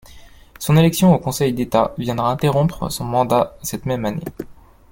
Son élection au Conseil d’État viendra interrompre ce mandat cette même année.